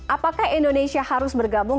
apakah indonesia harus bergabung